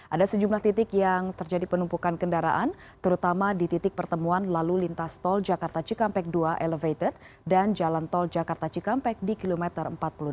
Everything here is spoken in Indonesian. ada sejumlah titik yang terjadi penumpukan kendaraan terutama di titik pertemuan lalu lintas tol jakarta cikampek dua elevated dan jalan tol jakarta cikampek di kilometer empat puluh delapan